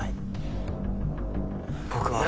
僕は。